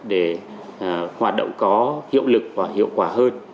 để hoạt động có hiệu lực và hiệu quả hơn